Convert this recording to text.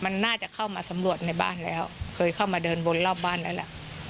มันน่าจะเข้ามาสำรวจในบ้านแล้วเคยเข้ามาเดินบนรอบบ้านแล้วล่ะ